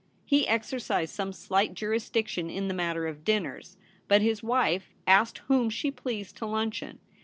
He exercised some slight jurisdiction in the matter of dinners ; but his wife asked whom she pleased to luncheon.